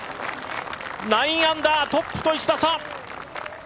９アンダー、トップと１打差！